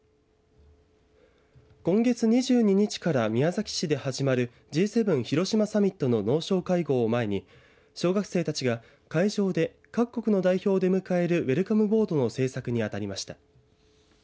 今月２２日から宮崎市で始まるＧ７広島サミットの農相会合を前に小学生たちが会場で各国の代表を迎えるウェルカムボードの制作に当たりました。